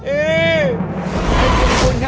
aduh janggulah koncay